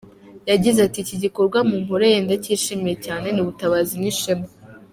Yagize ati "Iki gikorwa munkoreye ndacyishimiye cyane, ni ubutabazi n’ishema.